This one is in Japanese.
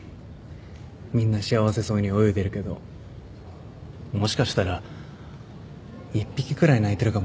みんな幸せそうに泳いでるけどもしかしたら一匹くらい泣いてるかもね。